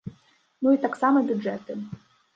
Ну і таксама бюджэты.